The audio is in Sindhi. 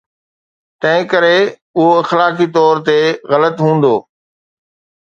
تنهنڪري اهو اخلاقي طور تي غلط هوندو.